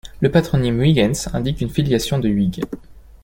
Le patronyme Huyghens indique une filiation de Huyghe.